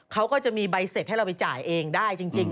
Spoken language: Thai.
เขาก็จะมีใบเสร็จให้เราไปจ่ายเองได้จริง